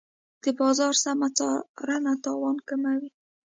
د بازار سمه څارنه تاوان کموي.